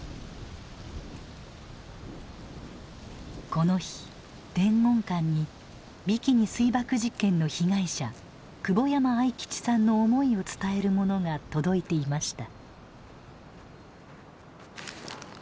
この日伝言館にビキニ水爆実験の被害者久保山愛吉さんの思いを伝えるものが届いていました。